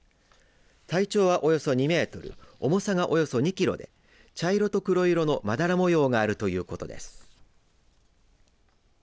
体長はおよそ２メートル、重さがおよそ２キロで茶色と黒色のまだら模様があるということです。